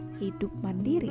masa masa hidup mandiri